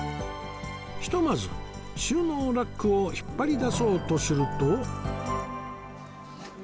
ひとまず収納ラックを引っ張り出そうとすると